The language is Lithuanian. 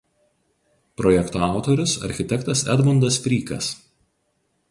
Projekto autorius architektas Edmundas Frykas.